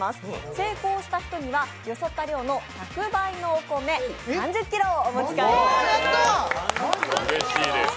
成功した人にはよそった量の１００倍のお米、３０ｋｇをお持ち帰りいただきます。